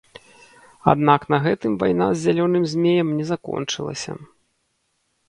Аднак на гэтым вайна з зялёным змеем не закончылася.